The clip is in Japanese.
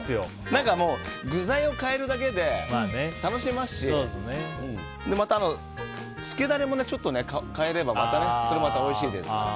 何か具材を変えるだけで楽しめますしまた、つけダレもちょっと変えればそれもまたおいしいですから。